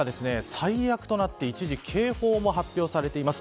最悪となって一時警報も発表されています。